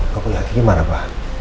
gak punya hati gimana pak